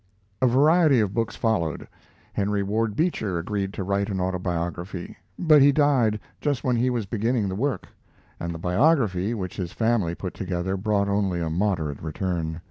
A variety of books followed. Henry Ward Beecher agreed to write an autobiography, but he died just when he was beginning the work, and the biography, which his family put together, brought only a moderate return.